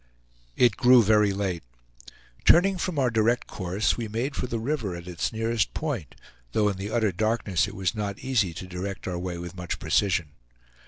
It grew very late. Turning from our direct course we made for the river at its nearest point, though in the utter darkness it was not easy to direct our way with much precision.